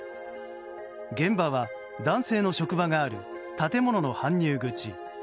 現場は、男性の職場がある建物の搬入口。